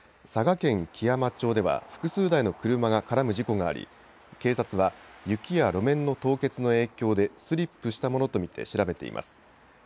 佐賀県基山町では複数台の車が絡む事故があり警察は雪や路面の凍結の影響でスリップしたものと見て調べています。